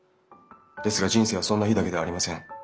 ですが人生はそんな日だけではありません。